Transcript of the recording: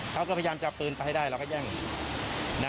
เขาก็พยายามจะเอาปืนไปให้ได้เราก็แย่ง